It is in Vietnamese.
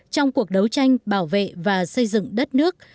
trong cuộc đấu tranh bảo vệ và xây dựng đất nước